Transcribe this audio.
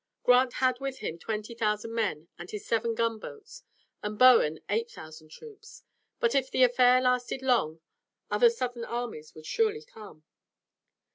Grant had with him twenty thousand men and his seven gunboats, and Bowen, eight thousand troops. But if the affair lasted long other Southern armies would surely come.